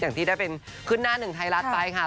อย่างที่ได้เป็นขึ้นหน้าหนึ่งไทยรัฐไปค่ะ